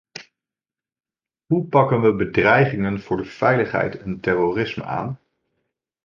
Hoe pakken we bedreigingen voor de veiligheid en terrorisme aan?